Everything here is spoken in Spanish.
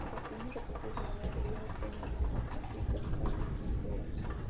Los signos repetidos de manera seriada crean una "constante icónica" en su obra.